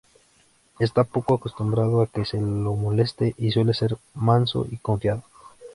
Está poco acostumbrado a que se lo moleste, y suele ser manso y confiado.